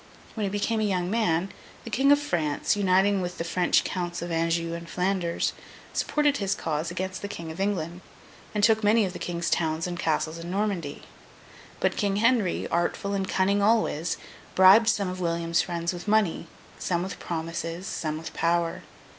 When he became a young man, the King of France, uniting with the French Counts of Anjou and Flanders, supported his cause against the King of England, and took many of the King's towns and castles in Normandy. But, King Henry, artful and cunning always, bribed some of William's friends with money, some with promises, some with power.